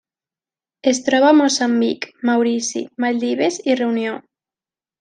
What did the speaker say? Es troba a Moçambic, Maurici, Maldives i Reunió.